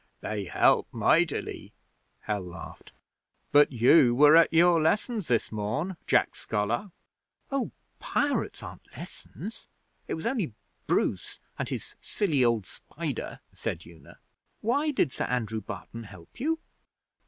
'They help mightily,' Hal laughed. 'But you were at your lessons this morn, Jack Scholar.' 'Oh, pirates aren't lessons. It was only Bruce and his silly old spider,' said Una. 'Why did Sir Andrew Barton help you?'